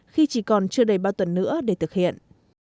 khi chỉ còn chưa đầy ba tuần nữa để thực hiện